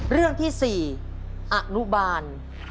เรื่องที่๔อนุบาล